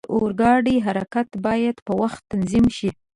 د اورګاډي حرکت باید په وخت تنظیم شي.